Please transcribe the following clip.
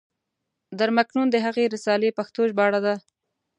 در مکنون د هغې رسالې پښتو ژباړه ده.